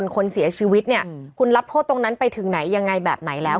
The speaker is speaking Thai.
คนเสียชีวิตเนี่ยคุณรับโทษตรงนั้นไปถึงไหนยังไงแบบไหนแล้ว